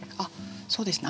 そうですね